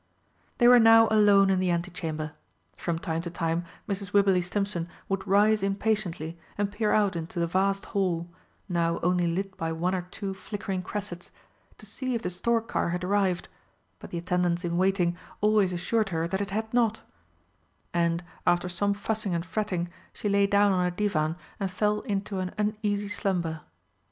They were now alone in the antechamber. From time to time Mrs. Wibberley Stimpson would rise impatiently and peer out into the vast hall, now only lit by one or two flickering cressets, to see if the stork car had arrived but the attendants in waiting always assured her that it had not, and, after some fussing and fretting, she lay down on a divan and fell into an uneasy slumber.